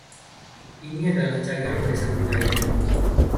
Ini adalah cagar warisan budaya.